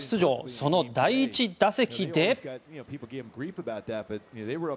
その第１打席で。